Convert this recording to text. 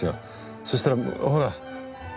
そしたらほら。